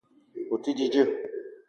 O te di dzeu